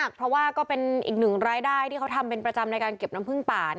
เกะขึ้นหรูแฮะหรูปะตามปกติเพื่อนอนั้น